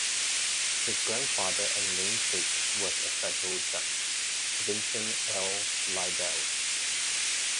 His grandfather and namesake was a federal judge, Vincent L. Leibell.